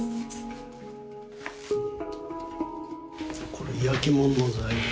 これ焼きもんの材料。